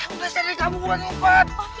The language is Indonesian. udah sering kamu buat empat